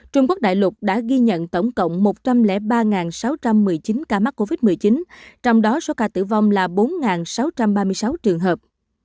trung quốc đại lục đã ghi nhận tổng cộng một trăm linh ba sáu trăm một mươi chín ca mắc covid một mươi chín trong đó số ca tử vong là bốn sáu trăm ba mươi sáu trường hợp